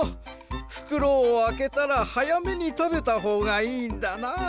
ふくろをあけたらはやめにたべたほうがいいんだな。